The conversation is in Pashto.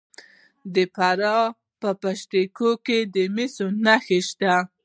د فراه په پشت کوه کې د مسو نښې شته.